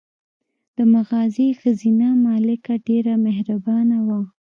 د مغازې ښځینه مالکه ډېره مهربانه وه.